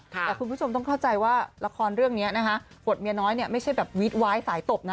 แต่คุณผู้ชมต้องเข้าใจว่าละครเรื่องนี้นะคะบทเมียน้อยเนี่ยไม่ใช่แบบวิดว้ายสายตบนะ